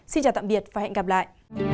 xin chào tạm biệt và hẹn gặp lại